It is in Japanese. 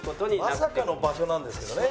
まさかの場所なんですけどね。